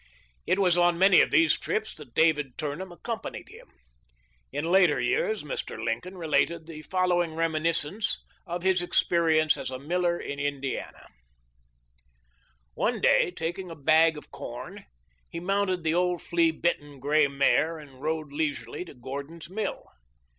It was on many of these trips that David Turnham accompanied him. In later years Mr. Lincoln related the following reminiscence of his experience as a miller in Indiana : One day, taking a bag of corn, he mounted the old flea bitten gray mare and rode leisurely to Gordon's mill.